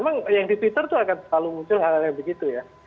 memang yang di twitter itu akan selalu muncul hal hal yang begitu ya